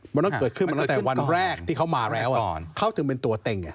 มันต้องเกิดขึ้นมาตั้งแต่วันแรกที่เขามาแล้วเขาถึงเป็นตัวเต็ง